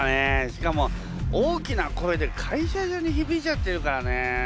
しかも大きな声で会社中にひびいちゃってるからね。